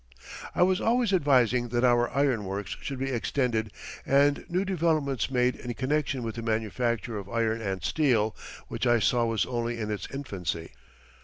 ] I was always advising that our iron works should be extended and new developments made in connection with the manufacture of iron and steel, which I saw was only in its infancy.